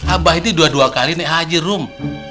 abah ini dua dua kali naik haji room